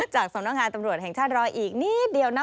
สำนักงานตำรวจแห่งชาติรออีกนิดเดียวนะ